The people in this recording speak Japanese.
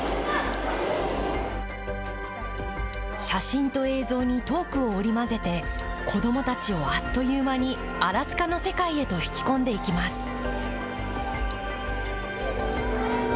写真と映像にトークを織り交ぜて、子どもたちをあっという間に、アラスカの世界へと引き込んでいきます。